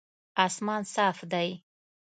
اسمان صاف دی